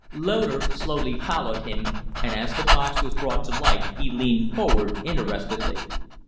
Loder slowly followed him, and as the box was brought to light he leaned forward interestedly.